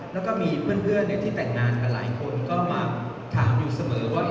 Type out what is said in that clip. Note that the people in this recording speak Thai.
แล้วก็มีเพื่อนที่แต่งงานกับหลายคนก็มาถามอยู่เสมอว่า